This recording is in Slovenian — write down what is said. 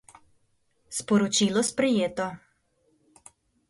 Sporočilo sprejeto.